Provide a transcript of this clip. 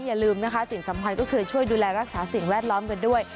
อย่าลืมนะคะสิ่งสำคัญก็คือช่วยดูแลรักษาสิ่งแวดล้อมกันด้วย